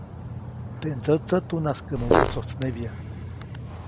Teʼ ndsätsä tunaskäʼmä wotsojtsnebya.